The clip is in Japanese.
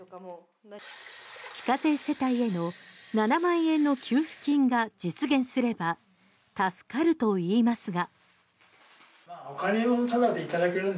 非課税世帯への７万円の給付金が実現すれば助かるといいますが。